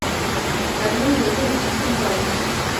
ترموز د ذهن سکون راوړي.